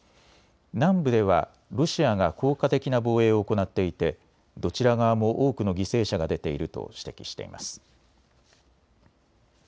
南部ではロシアが効果的な防衛を行っていてどちら側も多くの犠牲者が出ていると指摘しています。